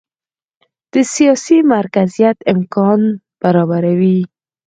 د سیاسي مرکزیت امکان برابروي.